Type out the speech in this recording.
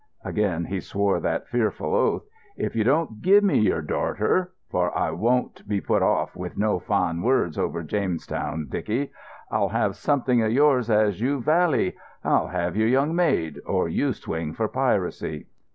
Again he swore that fearful oath. "If you don't give me your darter—for I won't be put off with no fine words after Jamestown, Dicky; I'll have something of yours as you vally—I'll have your young maid, or you swing for piracy."